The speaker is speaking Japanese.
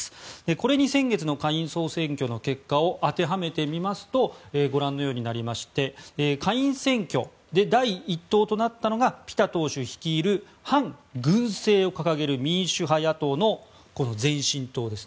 これに先月の下院総選挙の結果を当てはめてみますとご覧のようになりまして下院選挙で第１党となったのがピタ党首率いる反軍政を掲げる民主派野党の前進党です。